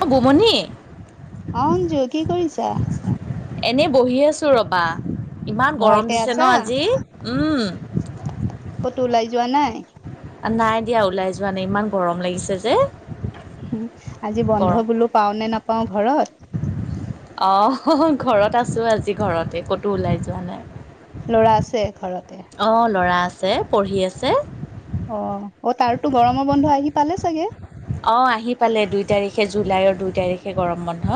অঁ গোমনি। অ অঞ্জু কি কৰিছা? এনেই বহি আছো ৰবা। ইমান গৰম ঘৰতে দিছে আছা ন আজি? উম, ক'তো ওলাই যোৱা নাই? নাই দিয়া ওলাই যোৱা নাই ইমান গৰম লাগিছে যে। আজি বন্ধ গৰম বোলো পাও নে নাপাও ঘৰত। অহ হঅ হঅ ঘৰত আছো আজি ঘৰতে ক'তো ওলাই যোৱা নাই। লৰা আছে ঘৰতে? অ ল'ৰা আছে পঢ়ি আছে। অ অ তাৰতো গৰমৰ বন্ধ আহি পালে চাগে? অঁ আহি পালে দুই তাৰিখে জুলাইৰ দুই তাৰিখে গৰম বন্ধ।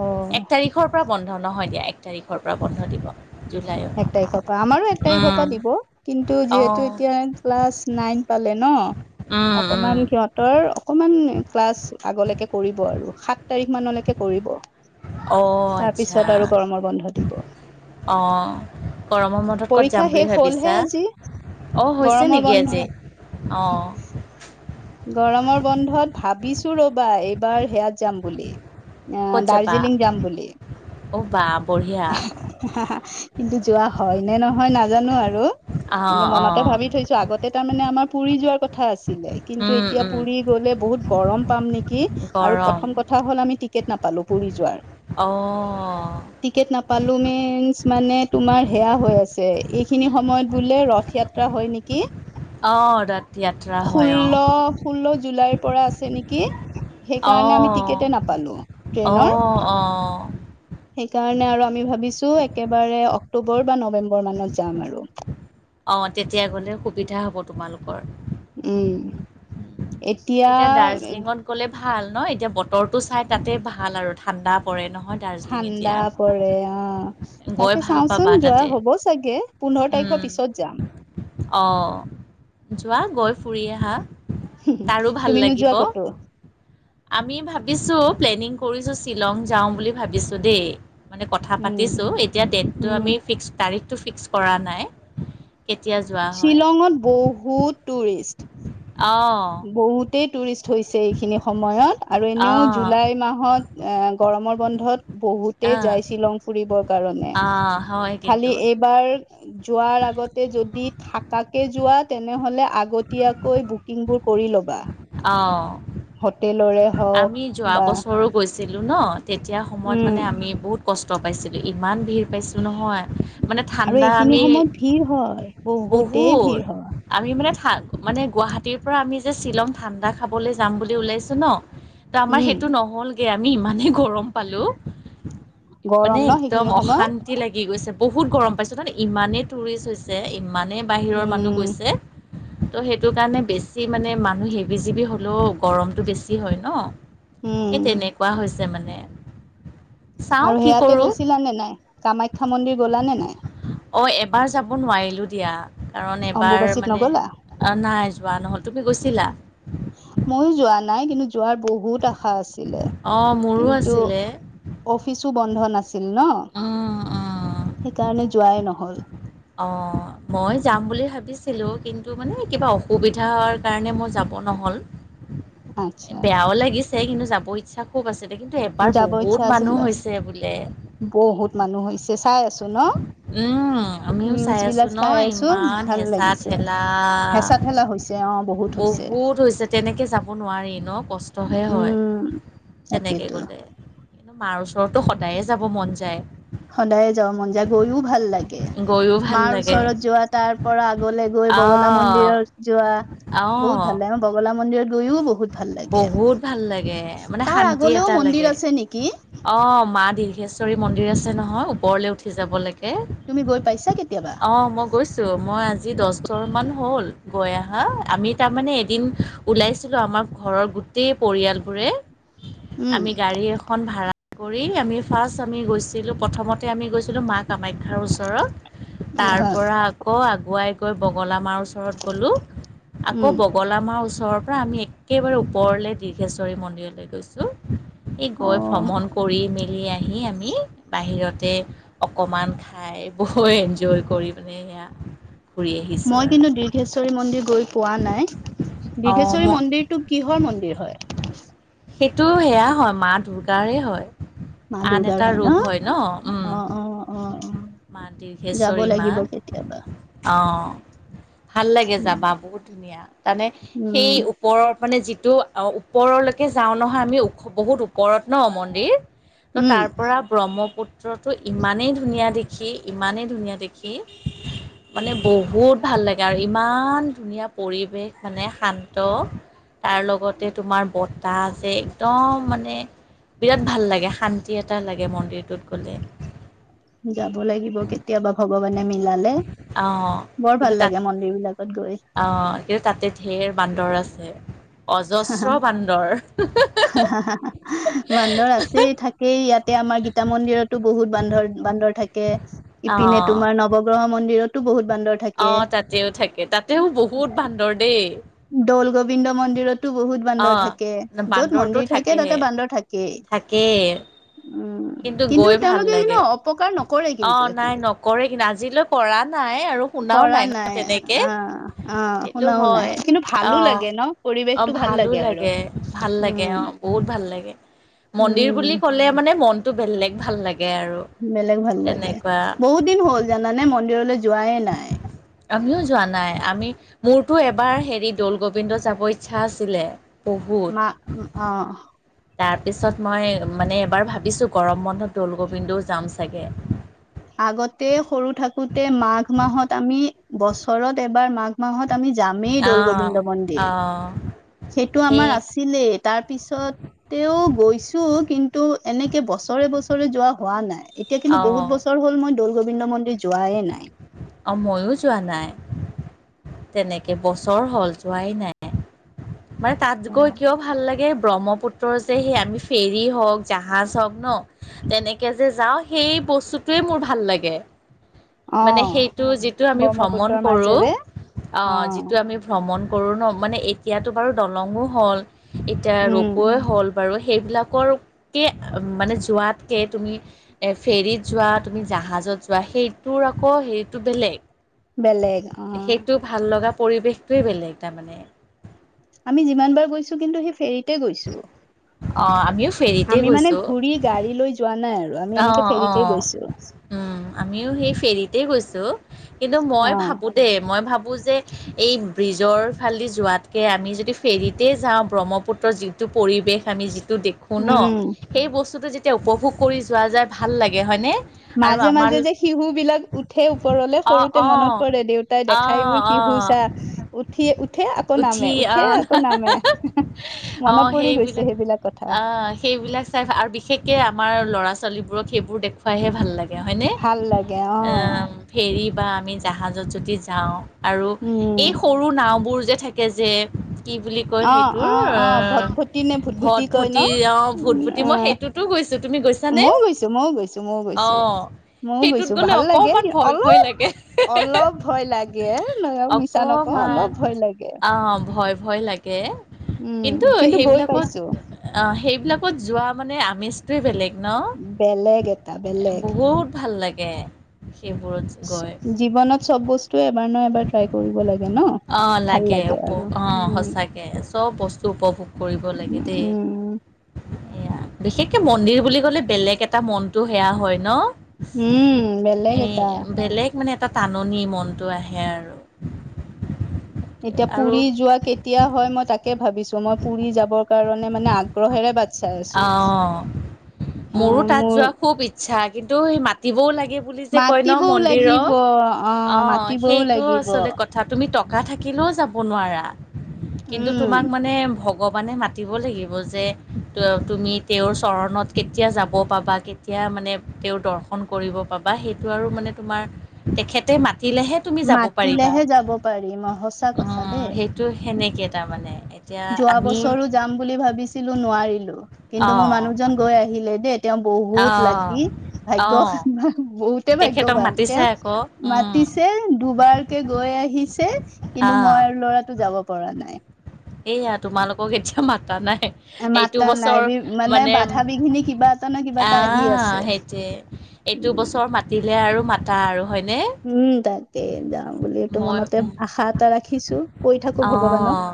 অ এক তাৰিখৰ পৰা বন্ধ নহয় দিয়া এক তাৰিখৰ পৰা বন্ধ দিব। জুলাইৰ এক তাৰিখৰ পৰা আমাৰো এক তাৰিখৰ উম পৰা দিব কিন্তু অ যিহেতু এতিয়া ক্লাছ নাইন পালে, ন উম উম অকমান সিহতৰ অকমান ক্লাছ আগলে কৰিব আৰু সাত তাৰিখ মানলৈকে কৰিব। অ তাৰ আচ্ছা পিছত আৰু গৰমৰ বন্ধ দিব অহ। অ গৰমৰ বন্ধত ক'ত পৰীক্ষা যাম বুলি শেষ হলহে ভাবিছা? আজি অঁ হৈছে গৰমৰ নিকি বন্ধ আজি অঁ। গৰমৰ বন্ধত ভাবিছোঁ ৰবা এইবাৰ সেয়াত যাম বুলি। অ ক'ত যাবা দাৰ্জিলিং যাম বুলি। অ বা, বঢ়িয়া কিন্তু যোৱা হয় নে নহয় নাজানো আৰু। কিন্তু অঁ মনতে অঁ ভাবি থৈছো আগতে তাৰ মানে আমাৰ পুৰি যোৱাৰ কথা আছে। ছিলে কিন্তু এতিয়া পুৰি গ'লে বহুত গৰম পাম নিকি আৰু গৰম প্ৰথম কথা হ'ল আমি তি টিকেট নাপালোঁ পুৰি যোৱাৰ। অ টিকেট নাপালো মিনচ্ মানে তোমাৰ সেয়া হৈ আছে এইখিনি সময়ত বোলে ৰথিয়াত হয় নিকি অঁ ৰাত য়াত্ৰা হয় অঁ ষোল্ল ষোল্ল জুলাইৰ পৰা আছে নিকি সেইকাৰণে আমি অঁ টিকেটে নাপালো ট্ৰেইনৰ অঁ অঁ সেইকাৰণে আৰু আমি ভাবিছো একেবাৰে অক্টোবৰ বা নৱেম্বৰ মানত যাম আৰু অ তেতিয়া গ'লে সুবিধা হ'ব তোমালোকৰ উম এতিয়া দাৰ্জিলিঙত গ'লে ভাল ন এতিয়া বতৰটো চাই তাতে ভাল আৰু ঠাণ্ডা পৰে নহ ঠাণ্ডা পৰে অ গৈ তাকে ভাল পাবা চাওচোন যোৱা তাতে হ'ব চাগে পোন্ধৰ তাৰিখৰ পিছত যাম অঁ যোৱা গৈ ফুৰি আহা তাৰো তুমি ভাল নোযোৱা লাগিব কতো আমি ভাবিছোঁ প্লেনিং কৰিছোঁ শ্বিলং যাওঁ বুলি ভাবিছোঁ দেই মানে কথা উম পাতিছোঁ এতিয়া ডেটটো উম আমি ফিক্স তাৰিখটো ফিক্স কৰা নাই কেতিয়া যোৱা হয় শ্বিলঙত বহুত টুৰিষ্ট অঁ বহুতে টুৰিষ্ট হৈছে এইখিনি সময়ত আৰু এনেও অঁ জুলাই মাহত গৰমৰ বন্ধত বহুত এই অঁ যাই শ্বিলং ফুৰিবৰ কাৰণে অঁ হয় খালি কিন্তু এইবাৰ যোৱাৰ আগতে যদি থাকাকে যোৱা তেনেহলে আগতিয়াকৈ বুকিং বোৰ বাহ অ আমি যোৱা বা বছৰো গৈছো গেছিলোঁ ন তেতিয়া সময়ত উম মানে আমি বহুত কষ্ট পাইছিলোঁ ইমান ভিৰ পাইছোঁ নহয় মানে আৰু ঠাণ্ডা এইখিনি আমি সময়ত ভিৰ হয় বহুতেই বহুত ভিৰ হয় আমি মানে মানে গুৱাহাটীৰ পৰা আমি যে শ্বিলং ঠাণ্ডা খাবলৈ যাম বুলি ওলাইছো ন ত আমাৰ উম হেইটো নহলগে আমি ইমানেই গৰম পালো মানে গৰম ন একদম সেইখিনি সময়ত অশান্তি লাগি গৈছে বহুত গৰম পাইছোঁ ত ইমানেই টুৰিষ্ট হৈছে ইমানেই বাহিৰৰ উম মানুহ গৈছে ত' হেইটো কাৰণে বেছি মানে মানুহ হেভি চেভি হ'লেও গৰমটো বেছি হয় ন এই উম তেনেকুৱা হৈছে মানে চাওঁ আৰু কি সেয়াতে কৰোঁ গৈছিলা নে নাই কামাখ্যা মন্দিৰ গলা নে নাই অঁ এবাৰ যাব নোৱাৰিলোঁ দিয়া কাৰণ এবাৰ অম্বুবাচীত মানে নগলা নাই যোৱা নহ'লে তুমি গৈছিলা ময়ো যোৱা নাই কিন্তু যোৱাৰ বহুত আশা আছিলে অ', মোৰো কিন্তু আছিলে। অফিচো বন্ধ নাছিল নাছিল ন অ', অ'। সেইকাৰণে যোৱাই নহল অ মই যাম বুলি ভাবিছিলো কিন্তু মানে কিবা অসুবিধাৰ কাৰণে মই যাব নহ এ আচ্ছা বেয়াও লাগিছে কিন্তু যাব ইচ্ছা খুব আছে কিন্তু এবাৰ যাব বহুত ইচ্ছা মানুহ আছিলে হৈছে বোলে বহুত মানুহ হৈছে চাই আছো ন উম, আমিও নিউজ চাই বিলাক আছোঁ ন চাই আছো ইমান ভাল হেঁচা লাগিছে ঠেলা। হেচা ঠেলা হৈছে ছে অ বহুত [inaudible] বহুত হৈছে তেনে কে যাব নোৱাৰি ন কষ্টহে হয় উম তেনেকে তাকেইতো গলে মাৰ ওচৰতটো সদায়ে যাব মন যায় সদায় যাওঁ মন যায় গৈও ভাল লাগে গৈও ভাল মাৰ লাগে। ওচৰত যোৱা তাৰ পৰা আগলৈ গৈ বগলা অ', মন্দিৰত যোৱা বহত অ'। ভাল ল বগলা মন্দিৰট গৈও বহুত ভাল লাগে বহুত ভাল লাগে তাৰ আগলেও মন্দিৰ আছে নেকি অ মা দীৰ্ঘেশ্বৰী মন্দিৰ আছে নহয় ওপৰলৈ উঠি যাব লাগে তুমি গৈ পাইছা কেতিয়াবা তাকে অঁ মই গৈছোঁ মই আজি দচ বছৰ মান হ'ল গৈ অহা আমি তাৰমানানে এদিন ওলাইছ গেছিলো আমা ঘৰৰ গোটেই পৰিয়াল বোৰে উম আমি গাড়ী এখন ভাৰা কৰি আমি ফাৰ্ষ্ট আমি গৈছিলোঁ প্ৰথমতে আমি গৈছিলোঁ মা কামাখ্যাৰ ওচৰত তাৰ হয় পৰা আকৌ আগুৱাই গৈ বগলা মাৰো ওচৰত গ'ল আকৌ উম বগল মাৰ ওচৰত ত পৰা আমি একেবাৰে ওপৰলৈ দীৰ্ঘেশ্বৰী মন্দিৰলৈ গৈছোঁ এই অ গৈ ভ্ৰমণ কৰি ম ঘুৰি আহি আমি বাহিৰতে অকণমান খাই বৰ এনজয় কৰি পিনে সয়া মই কিন্তু দীৰ্ঘেশ্বৰী মন্দিৰ গৈ পোৱা নাই অঁ ম মন্দিৰটো কিহৰ মন্দিৰ হয় সেইটো সেয়া হয় মা দুৰ্গাৰে হয় মা আন দুৰ্গাৰ এটা হয় ৰূপ ন উম অ অ অ অ মা যাব দীৰ্ঘেশ্বৰী মা লাগিব কেতিয়াবা অঁ ভাল লাগে উম, যাবা বহুত ধুনীয়া তাৰানে সেই ওপৰৰ মানে যিটো ওপৰলৈকে যাওঁ নহয় আমি ওখ বহুত ওপৰত ন মন্দিৰ তো উম, তাৰপৰা ব্ৰহ্ম পুত্ৰটো ইমানেই ধুনীয়া দেখি ইমানেই ধুনীয়া দেখি মানে বহুত ভাল লাগে আৰু ইমান ধুনীয়া পৰিৱেশ মানে শান্ত তাৰ লগতে তোমাৰ বতাহ আ যে একদম মানে বিৰাট ভাল লাগে শান্তি এটা লাগে মন্দিৰটোত গলে যাব লাগিব কেতিয়াবা ভগৱানে মিলালে অঁ বৰ ভাল লাগে মন্দিৰ বিলাকত গৈ অ কিন্তু তাতে ঢেৰ বান্দৰ আছে, অজস্ৰ বান্দৰ। বান্দৰ আছে থাকেই ইয়াতে আমাৰ গীতা মন্দিৰতো বহুত বান্দৰ বান্দৰ থাক কে ইপিনে তোমাৰ নৱগ্ৰহ মন্দিৰতো বহুত বান্দৰ থাকে। অ তাতেও থাকে তাতেও বহুত বান্দৰ দেই। দৌল গোবিন্দ মন্দিৰত টো বহুত বান্দৰ অঁ থাকে য'ত বান্দৰটো মন্দিৰ থাকে থাকেহে তাতে বান্দৰ থাকেই। উম। কিন্তু গৈ ভাল তেওঁলোকে কিন্তু লাগে, অপকাৰ নকৰে অ কিন্তু একো। নাই নকৰে কিন্তু আজিলৈ কৰা নাই, আৰু শুনাও নাই ন তেনেকে, অ অ সেইটো শুনাও নাই হয়। কিন্তু অ, ভালো লাগে ন অ পৰিৱেশটো ভাল ভালো আৰু লাগে, ভাল লাগে উম অ, বহুত ভাল লাগে। মন্দিৰ বুলি উম ক'লে মানে, মনটো বেলেগ ভাল লাগে। আৰু বেলেগ ভাল লাগে, তেনেকুৱা। বহুত দিন হ'ল জানানে মন্দিৰলৈ যোৱাই নাই। আমিও যোৱা নাই, আমি মোৰতো এবাৰ হেৰি দৌল গোবিন্দ যাব ইচ্ছা আছিলে। বহুত। মা অ। তাৰপিছত মই মানে এবাৰ ভাবিছোঁ, গৰম বন্ধত দৌল গোবিন্দও যাম চাগে। আগতে সৰু থাকোতে মাঘ মাহত আমি, বছৰত এবাৰ মাঘ মাহত আমি যামেই দল অ' গোবিন্দ মন্দিৰ। অ' সেইটো সেই আমাৰ আছিলেই, তাৰপিছত তেও গৈছো কিন্তু এনেকে বছৰে বছৰে যোৱা হোৱা নাই, এতিয়া কিন্তু বহুত অ' বছৰ হ'ল মই দৌল গোবিন্দ মন্দিৰ যোৱাই নাই। অঁ ময়ো যোৱা নাই। তেনেকে বছৰ হ'ল যোৱাই নাই মানে তাত গৈ কিয় ভাল লাগে। ব্ৰহ্মপুত্ৰ যে সেই আমি ফেৰী হওঁক, জাহাজ হওঁক ন তেনেকে যে যাওঁ সেই সেই বস্তুতোৱে মোৰ ভাল লাগে। মানে অ সেইটো যিটো আমি ব্ৰহ্মপুত্ৰৰ ভ্ৰমণ কৰোঁ। মাজেৰে অ' যিটো আমি ভ্ৰমণ কৰোঁ ন মানে এতিয়াতো বাৰু দলং হ'ল এতিয়া উম ৰূপোৱে হ'ল বাৰু সেইবিলাকৰ কে মানে যোৱাতকে তুমি ফেৰিত যোৱা জাহাজ জাহাজত যোৱা সেইটোৰ আকৌ হেৰিতটো বেলেগ বেলেগ অ' সেইটো ভাল লগা পৰিৱেশটোৱেই বেলেগ তাৰমানে আমি যিমান বাৰ গৈছোঁ। কিন্তু সেই ফেৰীতে গৈছোঁ। অ' আমিও ফেৰীতে আমি মানে ঘূৰি গাড়ী লৈ যোৱা নাই আ অ', অ', উম, আমিও সেই ফেৰীতে গৈছোঁ। কিন্তু মই অ ভাবোঁ দেই মই ভাবোঁ যে, এই ব্ৰীজৰ ফালেদি যোৱাতকৈ আমি যদি ফেৰীতেই যাওঁ ব্ৰহ্মপুত্ৰৰ যিটো পৰিৱেশ আমি যি টো দেখোঁ ন উম সেই বস্তুটো যেতিয়া উপভোগ কৰি যোৱা যায় ভাল লাগে হয়নে? আৰু মাজে আমাৰ মাজে যে শিহু বিলাক উঠে ওপৰলে অঁ সৰুতে অঁ মনত পৰে দেউতাই অঁ দেখাইবোৰ শিহু অঁ ঘুছা উঠি উঠে আকৌ নামে, উঠি উঠে অঁ আকৌ নামে, মনত পৰি গৈ লাক অ', সেইবিলাক চাই আৰু বিশেষকে আমাৰ ল'ৰা চলি বোৰক সেইবোৰে দেখুৱাইহে ভাল লাগে, হয়নে? ভাল লাগে অ', ফেৰী বা আমি জাহাজত যদি যাওঁ, আৰু এই উম সৰু নাওঁবোৰ যে, থাকে যে। কি বুলি কয় অ অ সেইটোৰ, অ ভটভটি নে ভুটভুটি কয় ন ভটভতি অ', উম ভূটভূতি মই আহ সেইটোতো গৈ চো, তুমি গৈ ময়ো গৈছো, ময়ো গৈছোঁ, ময়ো গৈছোঁ। ময়ো সেইটোত গৈছোঁ, গ'লে ভাল লাগে অকমান ভয় ভয় অলপ, লাগে অলপ ভয় লাগে ন' মিছা নক অ', অকমান অলপ ভয় লাগে। অঁ ভয়, ভয় লাগে। উম কিন্তু গৈ সেইবিলাকত পাইছো এইবিলাকত যোৱা মানে আমেজটোৱে বেলেগ ন? বেলেগ এটা বেলেগ বহুত ভাল লা এক জীৱনত চব বস্তু এবাৰ এবাৰ ট্ৰাই কৰিব লাগে ন অঁ ভাল লাগে উপ আৰু অঁ উ সঁচাকে চব বস্তু উপভোগ কৰিব লাগে দেই উম সেয়া বিশেষকে মন্দিৰ বুলি কলে বেলেগ এটা মনতটো সেয়া হয় ন উম বেলেগ এই এটা বেলেগ মানে এটা টাননি মনটো আহে আৰু এতিয়া আৰু পুৰি যোৱা কেতিয়া হয় মই তাকে ভাবিছো মই পুৰি যাবৰ কাৰণে মানে আগ্ৰহেৰে বাট চাই আছো অঁ অ মোৰো তাত মোৰ যোৱা খুব ইচ্ছা কিন্তু সি মাতিবও লাগে বুলি যে কয় ন মাতিবও লাগিব মন্দিৰৰ অ মাতিবও সেইটো লাগিব আচলতে কথাটো কিন্তু তোমাক উম মানে ভগৱানে মাতিব লাগিব যে তু- তুমি বা কেতিয়া মানে তেওঁৰ দৰ্শন কৰিব পাবা সেইটো আৰু মানে তোমাৰ তেখেতে মা দিলেহে তুমি যাব পাৰিবা মাতিলেহে যাব পাৰিম অ সঁচা কথা দেই সেইটো সেনেকে তাৰমানে এতিয়া যোৱা আমি বছৰো যাম বুলি ভাবিছিলো নোৱাৰিলো কিন্তু মোৰ অঁ মানুহজন গৈ আহিলে দেই তেওঁ বহুত অঁ লাকি ভাগ্য অঁ বহুতে তেখেতক ভাগ্যৱান মাতিছে তেওঁ আকৌ মাতিছে দুবাৰকে গৈ আহিছে কিন্তু অঁ মই ল'ৰাটো যাব পৰা নাই নাই এয়া তোমালোকক এতিয়া মাতা নাই মাতা নাই মানে বাধা বিঘিনি কিবা এটা ন কিবা এটা আহি আছে [unintelligible] এইটো উম বছৰ মাতিলে আৰু মাতা আৰু হয়নে? উম তাকেই যাওঁ বুলিুল তো মই মনতে উম, আশা এটা ৰাখিছো কৈ থাকো ভগৱানক [inaudible] অঁ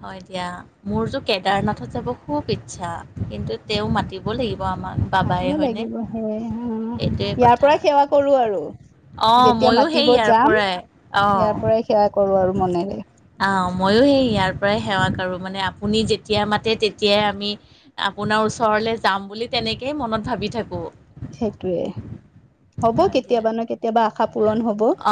হয় দিয়া মোৰতো কেদাৰনাথত যাব খুব ইচ্ছা কিন্তু তেও মাতিব লাগিব আমাক বাবাই মাতিব হয়নে লাগিব সে এইটোৱে ইয়াৰ কথা পৰাই সেৱা কৰো আৰু অ যেতিয়া মইয়ো সেই মাতিব ইয়াৰ যাম পৰাই আহ ইয়াৰ পৰাই সেৱা কৰো আৰু মনেৰে অ মইয়ো সেই ইয়াৰ পৰাই সেৱা মানে আপুনি যেতিয়া মাতে তেতিয়াই আমি আপোনাৰ ওচৰ য বুলি তেনেকে মনত ভাবি থাকোঁ সেইটোয়ে হ'ব কেতিয়াবা ন কেতিয়া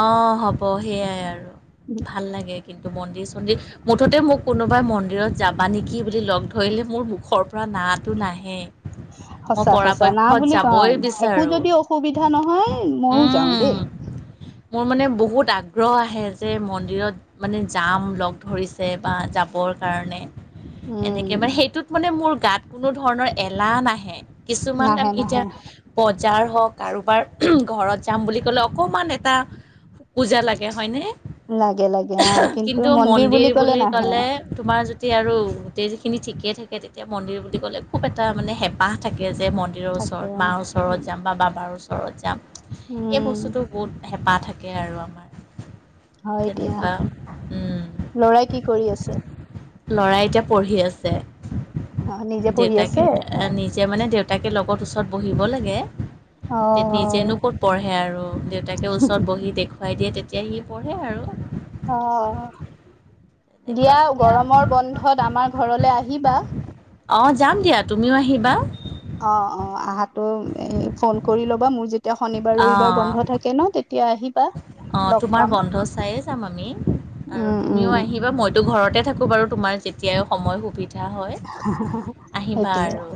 অ হ'ব সেইয়াই আৰু ভাল লাগে কিন্তু মন্দিৰ চন্দিৰ মুঠতে মোক কোনোবাই মন্দিৰত যাবা নেকি বুলি লগ ধৰিলে মোৰ মুখৰ পৰা নাই হাঁহো নাহে মই সঁচা সঁচা না পৰাপক্ষত বুলি কওঁ যাবই একো বিচাৰোঁ যদি অসুবিধা নহয় ময়ও যাওঁ উম, দেই মোৰ মানে বহুত আগ্ৰহ আহে যে মন্দিৰত মানে যাম লগ ধৰিছে বা যাবৰ কাৰণে এনেকে উম মানে সেইটোত মানে মোৰ গাত কোনো ধৰণৰ এলাহ নাহে কিছুমান আ নাহে এতিয়া নাহে বজাৰ হওঁক কাৰোবাৰ ঘৰত যাম বুলি গলে অকমান এটা পূজা লাগে হয়নে কিন্তু মন্দিৰ বুলি কলে তোমাৰ যদি আৰু গোটেই যিখিনি ঠিকে থাকে তেতিয়া মন্দিৰ বুলি ক'লে খুব এটা মানে হেঁপাহ থাকে যে মন্দিৰৰ থাকে ওচৰত মাৰ ওচৰত উম যাম বা বাবাৰ ওচৰত যাম এই উম বস্তুটো বহুত হেঁপাহ থাকে আৰু আমাৰ হয় দিয়া তেনেকুৱা লৰাই কি কৰি আছে ল'ৰাই এতিয়া পঢ়ি আছে অ নিজে পঢ়ি আছে দেউতাকে নিজে মানে দেউতাকে লগত ওচৰত বহিব লাগে অ অ নিজেনো ক'ত পঢ়ে আৰু দেউতাকে ওচৰত বহি দেখুৱাই দিয়ে তেতিয়া সি পঢ়ে আৰু অ তেনেকুৱা দিয়া গৰমৰ বন্ধত আমাৰ ঘৰলৈ আহিবা অঁ যাম দিয়া তুমিও আহিবা অ অ আহাতো এ ফোন কৰি ল'বা মোৰ যে তিয়া শনিবাৰ ৰবিবাৰ বন্ধ থাকে ন তেত অ তোমাৰ বন্ধ চাইয়ে যাম আমি আৰু উম উম তুমিও আহিবা মইতো ঘৰতে থাকো বাৰু তোমাৰ যেতিয়াই সময় সুবিধা হয় আহিবা সেইটোয়ে আৰু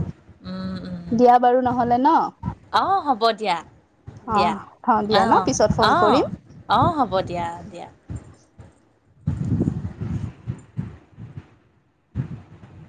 উম দিয়া বাৰু নহলে ন উম অ হ'ব দিয়া অ দিয়া ভাল দিয়া ন পিছত অঁ ফোন অ কৰিম অঁ হ'ব দিয়া দিয়া [unintelligible]